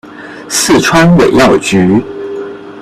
四川尾药菊